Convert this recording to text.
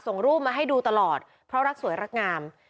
ส่งรูปมาให้ดูตลอดเพราะรักสวยรักงาม